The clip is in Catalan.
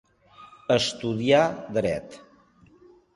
Estudià dret.